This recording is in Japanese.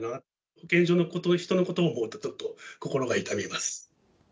保健所の人のことを思うと、ちょっと心が痛みます。